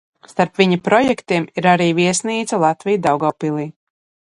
Starp viņa projektiem ir arī viesnīca Latvija Daugavpilī.